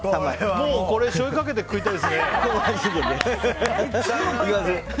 もうこれしょうゆかけて食いたいですね。